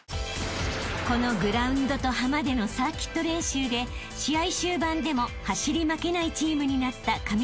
［このグラウンドと浜でのサーキット練習で試合終盤でも走り負けないチームになった神村学園］